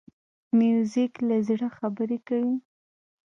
موزیک له زړه خبرې کوي.